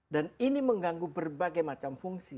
dan ini mengganggu berbagai macam fungsi